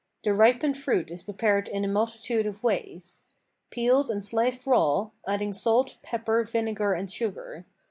The ripened fruit is prepared in a multitude of ways. Peeled and sliced raw, adding salt, pepper, vinegar and sugar.